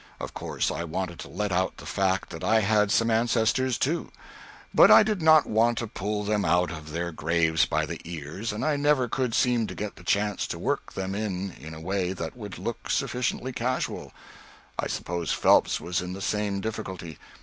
Of course I wanted to let out the fact that I had some ancestors, too; but I did not want to pull them out of their graves by the ears, and I never could seem to get the chance to work them in in a way that would look sufficiently casual. I suppose Phelps was in the same difficulty.